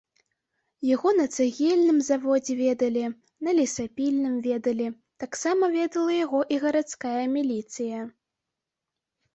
Яго на цагельным заводзе ведалі, на лесапільным ведалі, таксама ведала яго і гарадская міліцыя.